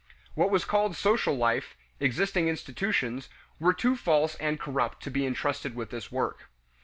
What was called social life, existing institutions, were too false and corrupt to be intrusted with this work.